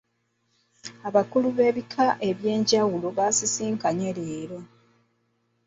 Abakulu b'ebika ab'enjawulo baasisinkanye leero.